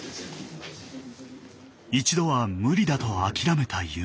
一度は無理だと諦めた夢。